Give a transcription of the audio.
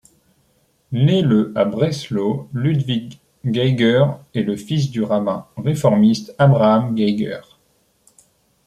Né le à Breslau, Ludwig Geiger est le fils du rabbin réformiste Abraham Geiger.